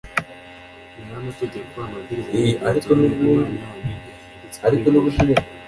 ngaya amategeko, amabwiriza n’imigenzo uhoraho imana yanyu yantegetse kubigisha,